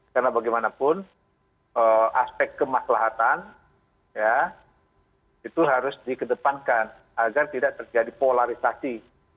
karena bagaimanapun aspek kemaslahatan itu harus dikedepankan agar tidak terjadi polarisasi